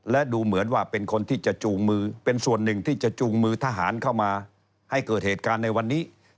และดูเหมือนว่าเป็นคนที่จะจูงมือเป็นส่วนหนึ่งที่จะจูงมือทหารเข้ามาให้เกิดเหตุการณ์ในวันนี้